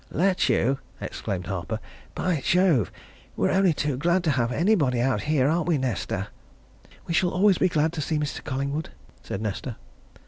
"Let you!" exclaimed Harper. "By Jove! we're only too glad to have anybody out here aren't we, Nesta?" "We shall always be glad to see Mr. Collingwood," said Nesta.